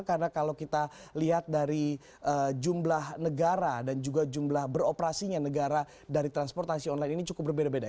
karena kalau kita lihat dari jumlah negara dan juga jumlah beroperasinya negara dari transportasi online ini cukup berbeda beda